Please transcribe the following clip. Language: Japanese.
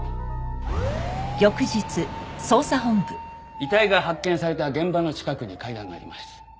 遺体が発見された現場の近くに階段があります。